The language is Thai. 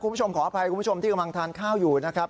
ขออภัยคุณผู้ชมที่กำลังทานข้าวอยู่นะครับ